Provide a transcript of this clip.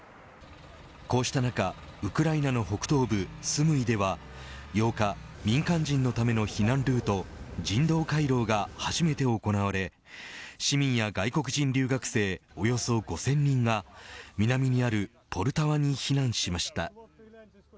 こうした中、ウクライナの北東部スムイでは８日、民間人のための避難ルート人道回廊が初めて行われ市民や外国人留学生およそ５０００人が南にあるポルタワに避難しました。